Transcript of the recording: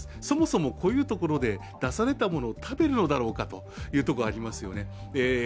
そもそもこういうところで出されたものを食べるのだろうかというところはありますよね。